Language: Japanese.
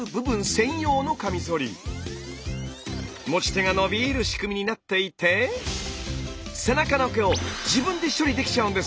持ち手がのびる仕組みになっていて背中の毛を自分で処理できちゃうんです！